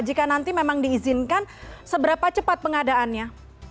jika nanti memang diizinkan seberapa cepat pengadaannya